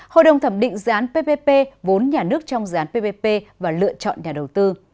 hội đồng thẩm định dự án ppp vốn nhà nước trong dự án ppp và lựa chọn nhà đầu tư